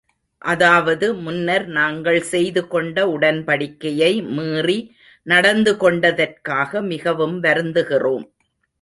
அதாவது முன்னர் நாங்கள் செய்து கொண்ட உடன்படிக்கையை மீறி, நடந்து கொண்டதற்காக மிகவும் வருந்துகிறோம்.